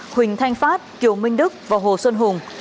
huỳnh thanh phát kiều minh đức và hồ xuân hùng